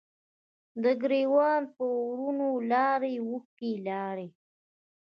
د ګریوان په ورونو لارې، اوښکې لارې